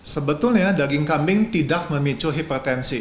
sebetulnya daging kambing tidak memicu hipertensi